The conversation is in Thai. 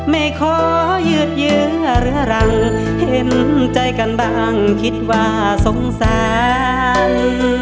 ไม่ขอยืดเยื้อเรื้อรังเห็นใจกันบ้างคิดว่าสงสาร